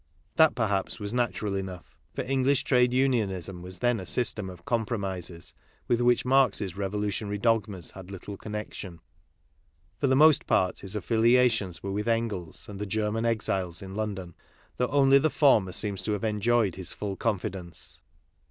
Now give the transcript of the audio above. That, perhaps, was natural enough ; for English trade unionism was then a system of compromises with which Marx's revolutionary dogmas had little connection. For the most part his affiliations were with Engels and the German exiles in London, though only the former seems to have enjoyed his full confidence.